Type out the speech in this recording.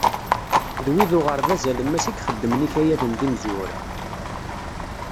D wid uɣerbaz alemmas i ixeddmen ikayaden d imezwura.